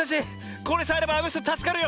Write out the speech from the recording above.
これさえあればあのひとたすかるよ！